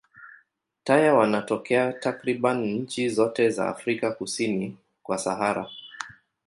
Taya wanatokea takriban nchi zote za Afrika kusini kwa Sahara.